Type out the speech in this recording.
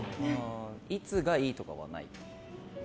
いつがいいとかはない？